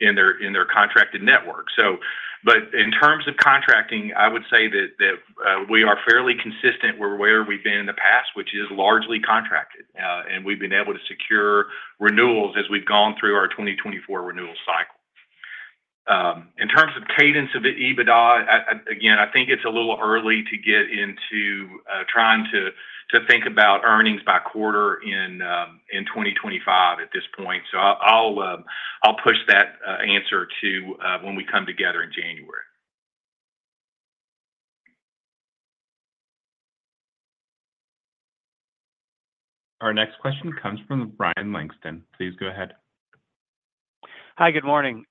in their contracted network. So, but in terms of contracting, I would say that we are fairly consistent with where we've been in the past, which is largely contracted, and we've been able to secure renewals as we've gone through our 2024 renewal cycle. In terms of cadence of the EBITDA, again, it's a little early to get into trying to think about earnings by quarter in 2025 at this point. So I'll push that answer to when we come together in January. Our next question comes from Ryan Langston. Please go ahead. Hi, good morning.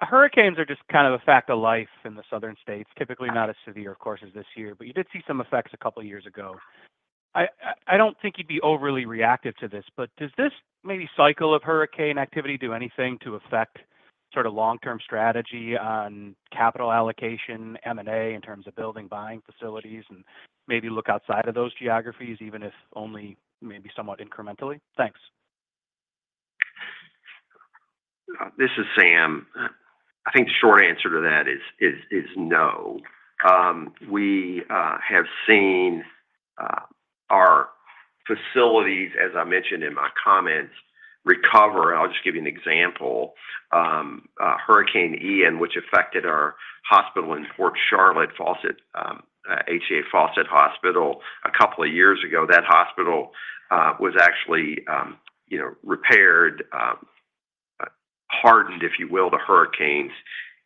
Hurricanes are just a fact of life in the southern states, typically not as severe, of course, as this year, but you did see some effects a couple of years ago. I don't think you'd be overly reactive to this, but does this maybe cycle of hurricane activity do anything to affect long-term strategy on capital allocation, M&A, in terms of building, buying facilities, and maybe look outside of those geographies, even if only maybe somewhat incrementally? Thanks. This is Sam. The short answer to that is no. We have seen our facilities, as I mentioned in my comments, recover. I'll just give you an example. Hurricane Ian, which affected our hospital in Port Charlotte, Fawcett, HCA Fawcett Hospital. A couple of years ago, that hospital was actually, you know, repaired, hardened, if you will, to hurricanes,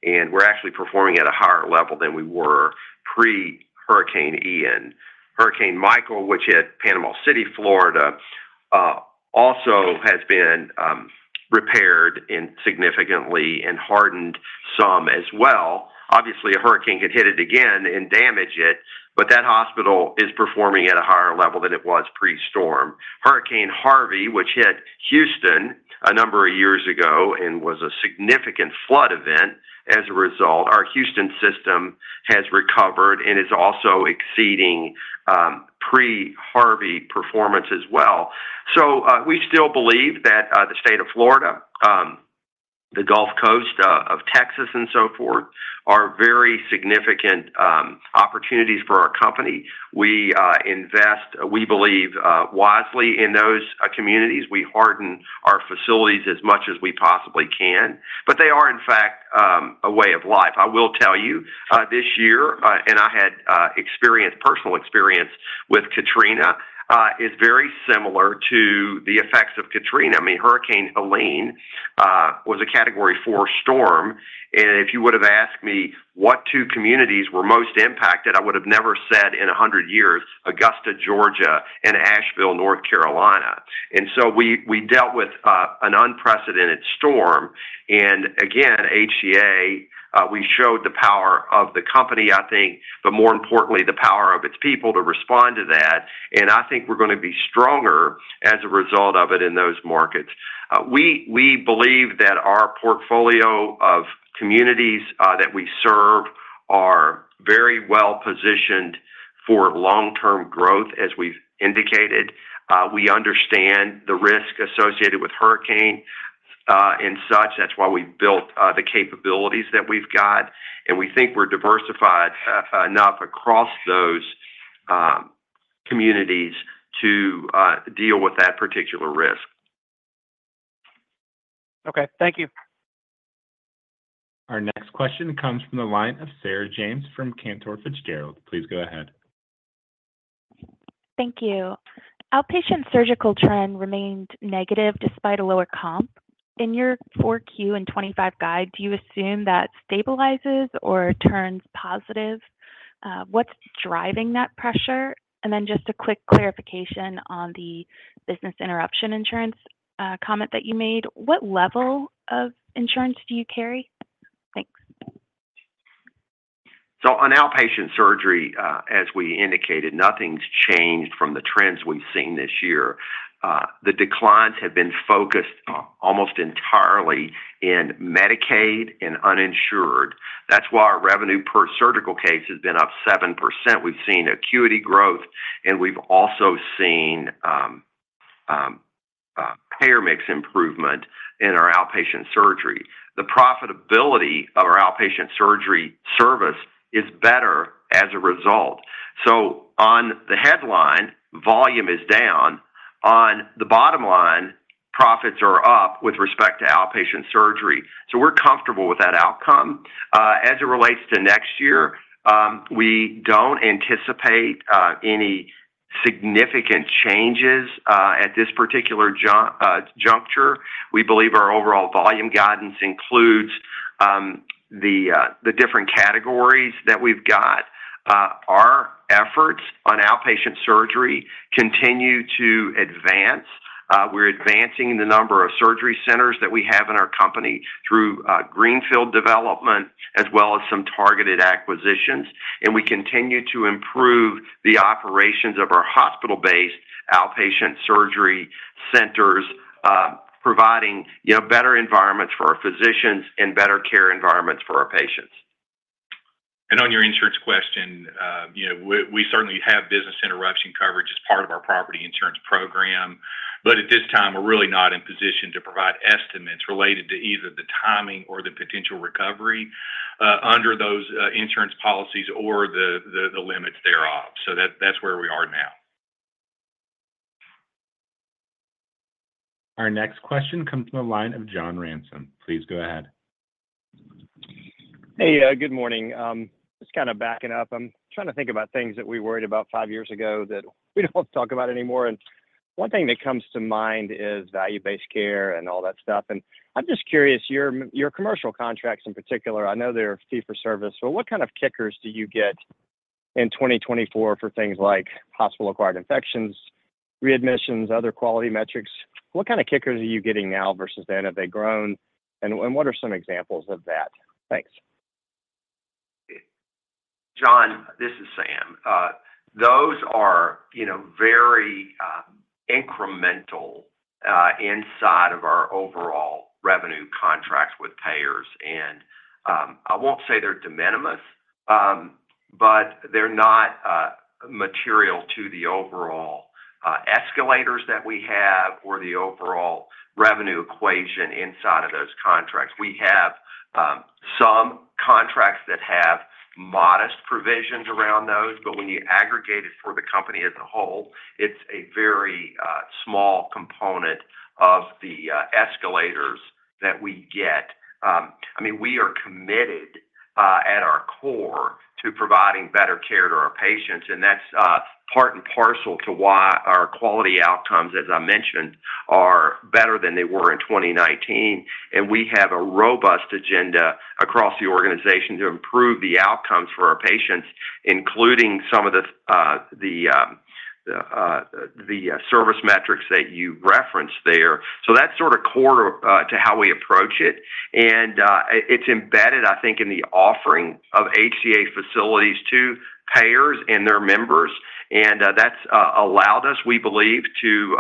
and we're actually performing at a higher level than we were pre-Hurricane Ian. Hurricane Michael, which hit Panama City, Florida, also has been repaired and significantly hardened some as well. Obviously, a hurricane could hit it again and damage it, but that hospital is performing at a higher level than it was pre-storm. Hurricane Harvey, which hit Houston a number of years ago and was a significant flood event as a result. Our Houston system has recovered and is also exceeding pre-Harvey performance as well. So, we still believe that the state of Florida, the Gulf Coast of Texas and so forth, are very significant opportunities for our company. We invest, we believe, wisely in those communities. We harden our facilities as much as we possibly can, but they are, in fact, a way of life. I will tell you, this year, and I had personal experience with Katrina, is very similar to the effects of Katrina. Hurricane Helene was a Category four storm, and if you would have asked me what two communities were most impacted, I would have never said in a hundred years, Augusta, Georgia, and Asheville, North Carolina. And so we dealt with an unprecedented storm, and again, HCA we showed the power of the company, but more importantly, the power of its people to respond to that, and we're gonna be stronger as a result of it in those markets. We believe that our portfolio of communities that we serve are very well-positioned for long-term growth, as we've indicated. We understand the risk associated with hurricane and such. That's why we built the capabilities that we've got, and we think we're diversified enough across those communities to deal with that particular risk.... Okay, thank you. Our next question comes from the line of Sarah James from Cantor Fitzgerald. Please go ahead. Thank you. Outpatient surgical trend remained negative despite a lower comp. In your four Q and twenty-five guide, do you assume that stabilizes or turns positive? What's driving that pressure? And then just a quick clarification on the business interruption insurance comment that you made. What level of insurance do you carry? Thanks. So on outpatient surgery, as we indicated, nothing's changed from the trends we've seen this year. The declines have been focused, almost entirely in Medicaid and uninsured. That's why our revenue per surgical case has been up 7%. We've seen acuity growth, and we've also seen payer mix improvement in our outpatient surgery. The profitability of our outpatient surgery service is better as a result. So on the headline, volume is down. On the bottom line, profits are up with respect to outpatient surgery. So we're comfortable with that outcome. As it relates to next year, we don't anticipate any significant changes, at this particular juncture. We believe our overall volume guidance includes the different categories that we've got. Our efforts on outpatient surgery continue to advance. We're advancing the number of surgery centers that we have in our company through greenfield development, as well as some targeted acquisitions. And we continue to improve the operations of our hospital-based outpatient surgery centers, providing you know, better environments for our physicians and better care environments for our patients. On your insurance question, you know, we certainly have business interruption coverage as part of our property insurance program, but at this time, we're really not in position to provide estimates related to either the timing or the potential recovery under those insurance policies or the limits thereof. So that's where we are now. Our next question comes from the line of John Ransom. Please go ahead. Hey, good morning. Just kinda backing up, I'm trying to think about things that we worried about five years ago that we don't talk about anymore, and one thing that comes to mind is value-based care and all that stuff, and I'm just curious, your commercial contracts in particular, I know they're fee for service, so what kickers do you get in 2024 for things like hospital-acquired infections, readmissions, other quality metrics? What kickers are you getting now versus then? Have they grown, and what are some examples of that? Thanks. John, this is Sam. Those are, you know, very incremental inside of our overall revenue contracts with payers, and I won't say they're de minimis, but they're not material to the overall escalators that we have or the overall revenue equation inside of those contracts. We have some contracts that have modest provisions around those, but when you aggregate it for the company as a whole, it's a very small component of the escalators that we get. We are committed at our core to providing better care to our patients, and that's part and parcel to why our quality outcomes, as I mentioned, are better than they were in 2019. We have a robust agenda across the organization to improve the outcomes for our patients, including some of the service metrics that you referenced there. That's core to how we approach it. It's embedded, in the offering of HCA facilities to payers and their members. That's allowed us, we believe, to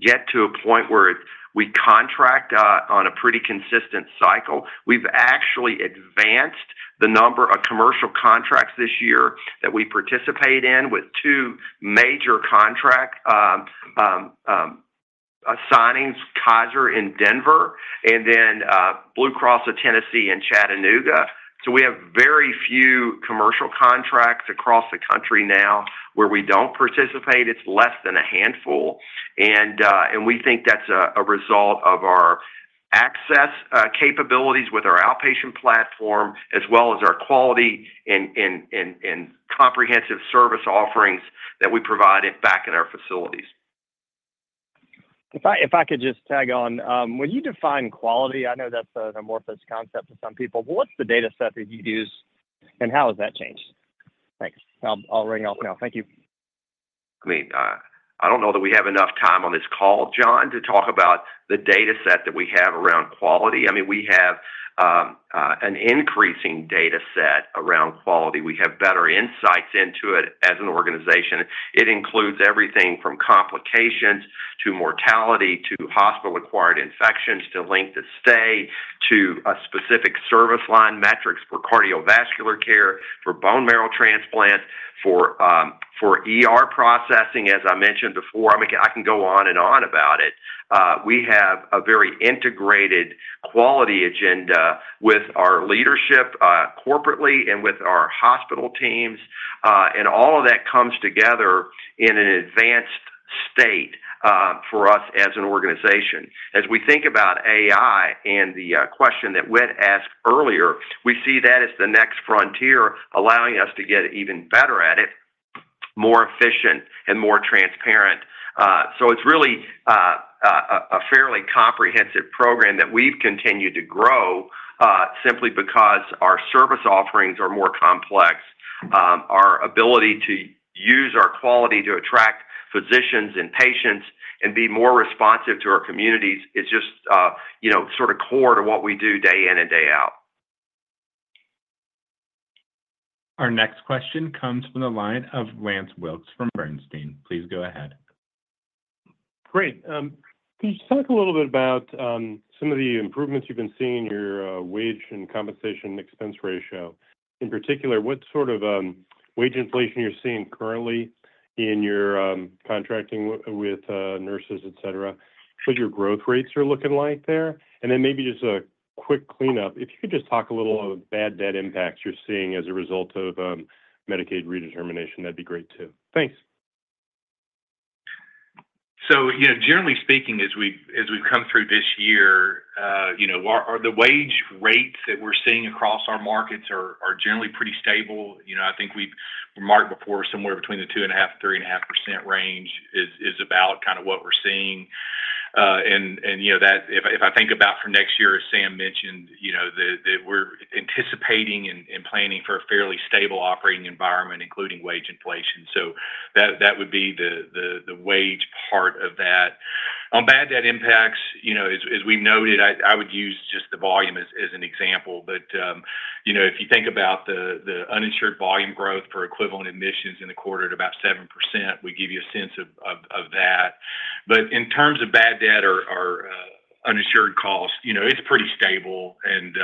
get to a point where we contract on a pretty consistent cycle. We've actually advanced the number of commercial contracts this year that we participate in with two major contract signings, Kaiser in Denver and then Blue Cross of Tennessee in Chattanooga. We have very few commercial contracts across the country now where we don't participate. It's less than a handful, and we think that's a result of our access capabilities with our outpatient platform, as well as our quality and comprehensive service offerings that we provide back in our facilities. If I could just tag on, when you define quality, I know that's an amorphous concept to some people, but what's the data set that you use, and how has that changed? Thanks. I'll ring off now. Thank you. I don't know that we have enough time on this call, John, to talk about the data set that we have around quality. We have an increasing data set around quality. We have better insights into it as an organization. It includes everything from complications, to mortality, to hospital-acquired infections, to length of stay, to a specific service line, metrics for cardiovascular care, for bone marrow transplant, for ER processing, as I mentioned before. I can go on and on about it. We have a very integrated quality agenda with our leadership, corporately and with our hospital teams, and all of that comes together in an advanced-... state for us as an organization. As we think about AI and the question that Whit asked earlier, we see that as the next frontier, allowing us to get even better at it, more efficient and more transparent. So it's really a fairly comprehensive program that we've continued to grow simply because our service offerings are more complex. Our ability to use our quality to attract physicians and patients and be more responsive to our communities is just you know core to what we do day in and day out. Our next question comes from the line of Lance Wilkes from Bernstein. Please go ahead. Great, can you talk a little bit about some of the improvements you've been seeing in your wage and compensation expense ratio? In particular, what wage inflation you're seeing currently in your contracting with nurses, et cetera? What your growth rates are looking like there? And then maybe just a quick cleanup. If you could just talk a little about bad debt impacts you're seeing as a result of Medicaid redetermination, that'd be great, too. Thanks. Generally speaking, as we, as we've come through this year, you know, our wage rates that we're seeing across our markets are generally pretty stable. We've remarked before, somewhere between 2.5% and 3.5% range is about kinda what we're seeing. And you know that if about for next year, as Sam mentioned, you know, that we're anticipating and planning for a fairly stable operating environment, including wage inflation. So that would be the wage part of that. On bad debt impacts, you know, as we've noted, I would use just the volume as an example, but you know, if you think about the uninsured volume growth per equivalent admissions in the quarter at about 7%, we give you a sense of that. But in terms of bad debt or uninsured costs, you know, it's pretty stable, and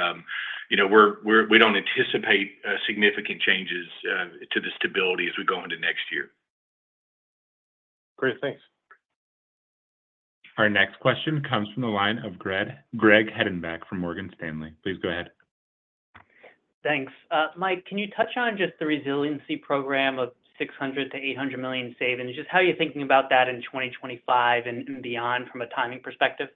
you know, we're, we don't anticipate significant changes to the stability as we go into next year. Great. Thanks. Our next question comes from the line of Craig, Craig Hettenbach from Morgan Stanley. Please go ahead. Thanks. Mike, can you touch on just the resiliency program of $600 million-$800 million savings? Just how are you thinking about that in 2025 and, and beyond from a timing perspective?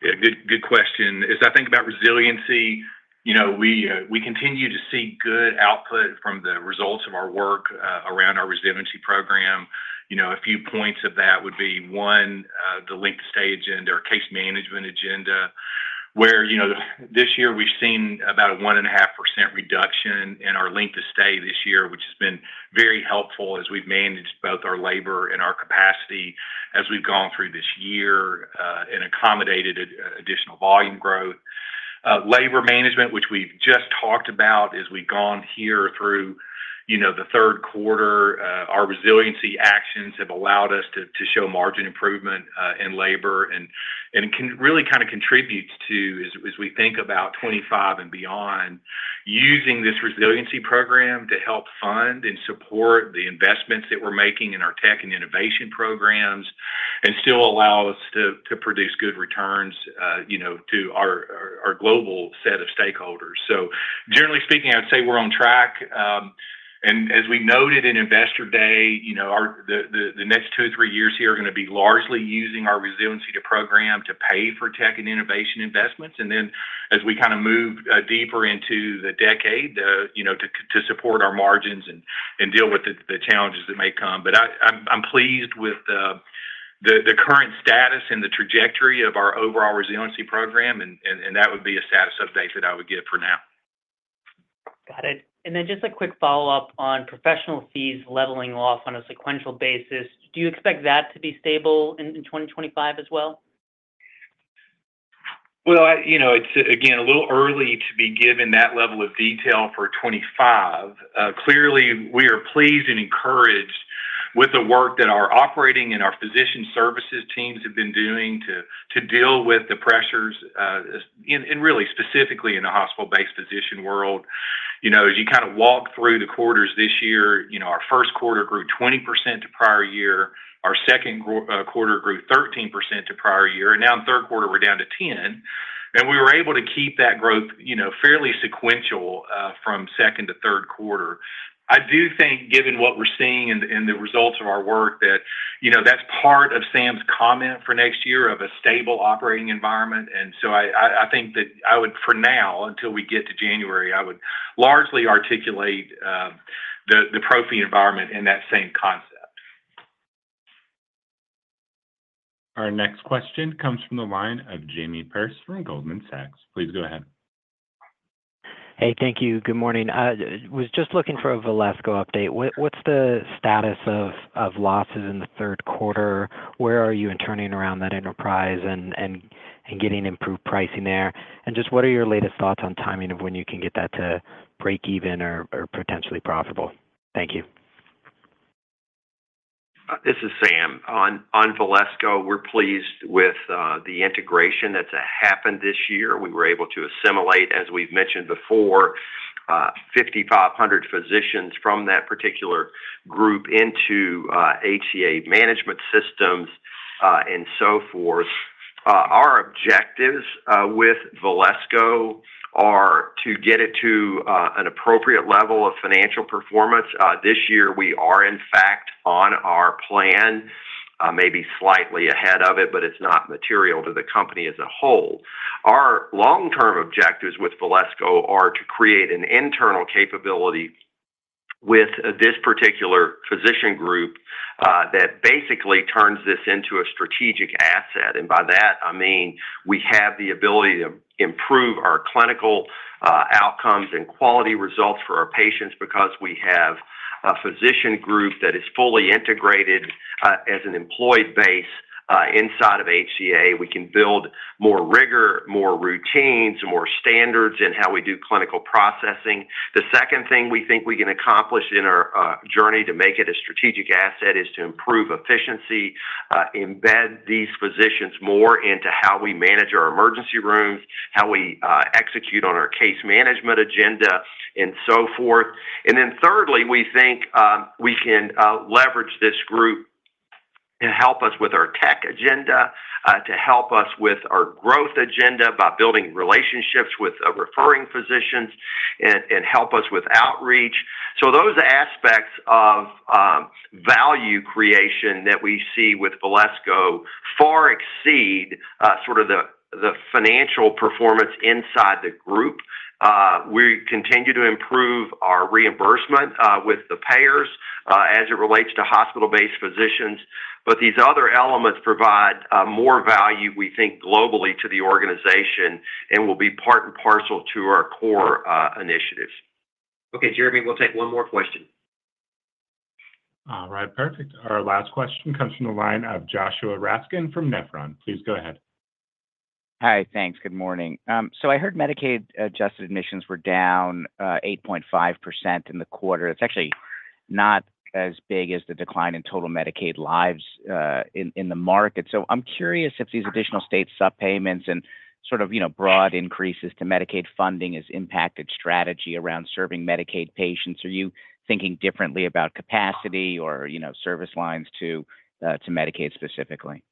Good question. As about resiliency, you know, we continue to see good output from the results of our work around our resiliency program. You know, a few points of that would be, one, the length of stay agenda or case management agenda, where, you know, this year we've seen about a 1.5% reduction in our length of stay this year, which has been very helpful as we've managed both our labor and our capacity as we've gone through this year, and accommodated an additional volume growth. Labor management, which we've just talked about, as we've gone here through, you know, the Q3, our resiliency actions have allowed us to show margin improvement in labor and it can really kinda contributes to, as we think about twenty-five and beyond, using this resiliency program to help fund and support the investments that we're making in our tech and innovation programs, and still allow us to produce good returns, you know, to our global set of stakeholders. So generally speaking, I'd say we're on track, and as we noted in Investor Day, you know, the next two or three years here are gonna be largely using our resiliency program to pay for tech and innovation investments. And then, as we kinda move deeper into the decade, you know, to support our margins and deal with the challenges that may come. But I'm pleased with the current status and the trajectory of our overall resiliency program, and that would be a status update that I would give for now. Got it. And then just a quick follow-up on professional fees leveling off on a sequential basis. Do you expect that to be stable in twenty twenty-five as well? Well, you know, it's, again, a little early to be giving that level of detail for twenty-five. Clearly, we are pleased and encouraged with the work that our operating and our physician services teams have been doing to deal with the pressures and really specifically in the hospital-based physician world. You know, as you kinda walk through the quarters this year, you know, our Q1 grew 20% to prior year, our Q2 grew 13% to prior year, and now in Q3, we're down to 10%. And we were able to keep that growth, you know, fairly sequential from second to Q3. I do think, given what we're seeing and the results of our work, that, you know, that's part of Sam's comment for next year of a stable operating environment. And sothat I would, for now, until we get to January, I would largely articulate the pro fee environment in that same concept. Our next question comes from the line of Jamie Perse from Goldman Sachs. Please go ahead. Hey, thank you. Good morning. I was just looking for a Valesco update. What's the status of losses in the Q3? Where are you in turning around that enterprise and getting improved pricing there? And just what are your latest thoughts on timing of when you can get that to break even or potentially profitable? Thank you. This is Sam. On Valesco, we're pleased with the integration that's happened this year. We were able to assimilate, as we've mentioned before, 5,500 physicians from that particular group into HCA management systems.… and so forth. Our objectives with Valesco are to get it to an appropriate level of financial performance. This year, we are, in fact, on our plan, maybe slightly ahead of it, but it's not material to the company as a whole. Our long-term objectives with Valesco are to create an internal capability with this particular physician group that basically turns this into a strategic asset. And by that, we have the ability to improve our clinical outcomes and quality results for our patients because we have a physician group that is fully integrated as an employee base inside of HCA. We can build more rigor, more routines, more standards in how we do clinical processing. The second thing we think we can accomplish in our journey to make it a strategic asset is to improve efficiency, embed these physicians more into how we manage our emergency rooms, how we execute on our case management agenda, and so forth, and then thirdly, we think we can leverage this group and help us with our tech agenda, to help us with our growth agenda by building relationships with referring physicians and help us with outreach, so those aspects of value creation that we see with Valesco far exceed the financial performance inside the group. We continue to improve our reimbursement with the payers as it relates to hospital-based physicians, but these other elements provide more value, we think, globally to the organization and will be part and parcel to our core initiatives. Okay, Jeremy, we'll take one more question. All right, perfect. Our last question comes from the line of Joshua Raskin from Nephron. Please go ahead. Hi, thanks. Good morning. So I heard Medicaid adjusted admissions were down 8.5% in the quarter. It's actually not as big as the decline in total Medicaid lives in the market. So I'm curious if these additional state supplemental payments and broad increases to Medicaid funding has impacted strategy around serving Medicaid patients. Are you thinking differently about capacity or, you know, service lines to Medicaid, specifically?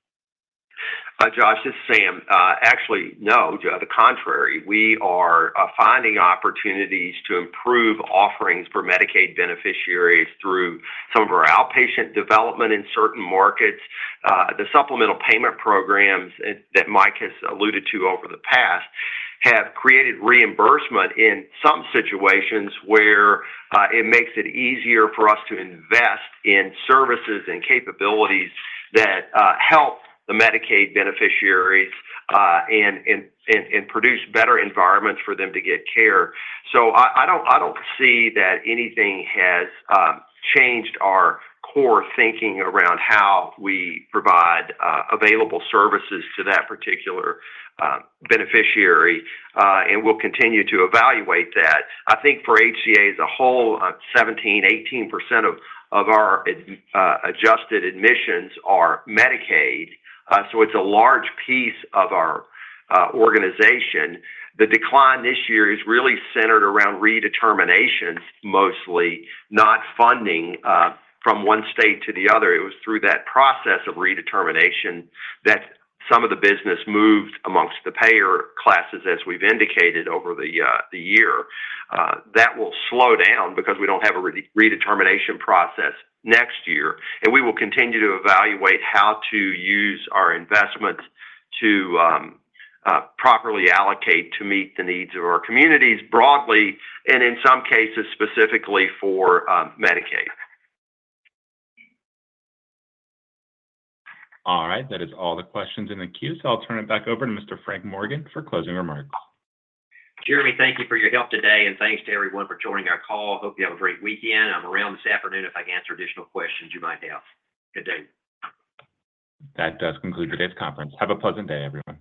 Josh, this is Sam. Actually, no, to the contrary, we are finding opportunities to improve offerings for Medicaid beneficiaries through some of our outpatient development in certain markets. The supplemental payment programs that Mike has alluded to over the past have created reimbursement in some situations where it makes it easier for us to invest in services and capabilities that help the Medicaid beneficiaries and produce better environments for them to get care. So I don't see that anything has changed our core thinking around how we provide available services to that particular beneficiary, and we'll continue to evaluate that for HCA as a whole, 17-18% of our adjusted admissions are Medicaid, so it's a large piece of our organization. The decline this year is really centered around redeterminations, mostly, not funding, from one state to the other. It was through that process of redetermination that some of the business moved amongst the payer classes, as we've indicated over the year. That will slow down because we don't have a re-redetermination process next year, and we will continue to evaluate how to use our investments to properly allocate to meet the needs of our communities broadly, and in some cases, specifically for Medicaid. All right. That is all the questions in the queue, so I'll turn it back over to Mr. Frank Morgan for closing remarks. Jeremy, thank you for your help today, and thanks to everyone for joining our call. Hope you have a great weekend. I'm around this afternoon if I can answer additional questions you might have. Good day. That does conclude today's conference. Have a pleasant day, everyone.